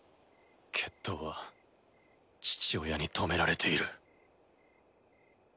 決闘は父親に止められている。